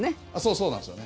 そうなんですよね。